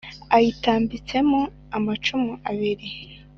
Ayitambitsemo amacumu abiri,